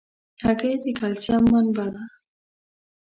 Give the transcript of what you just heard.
هګۍ د کلسیم منبع ده.